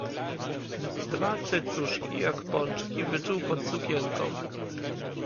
Dwa cycuszki jak pączki wyczuł pod sukienką